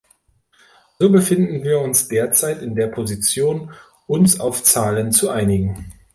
So befinden wir uns derzeit in der Position, uns auf Zahlen zu einigen.